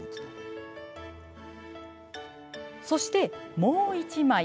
そして、もう１枚。